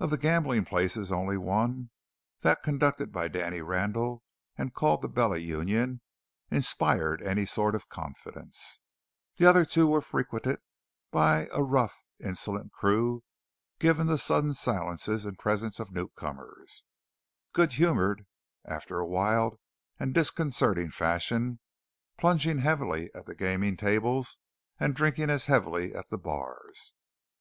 Of the gambling places, one only that conducted by Danny Randall and called the Bella Union inspired any sort of confidence. The other two were frequented by a rough, insolent crew, given to sudden silences in presence of newcomers, good humoured after a wild and disconcerting fashion, plunging heavily at the gaming tables and drinking as heavily at the bars.